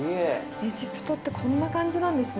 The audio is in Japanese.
エジプトってこんな感じなんですね。